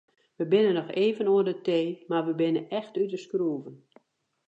We binne noch even oan de tee mar we binne echt út de skroeven.